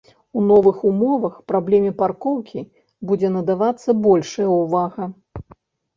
У новых умовах праблеме паркоўкі будзе надавацца большая ўвага.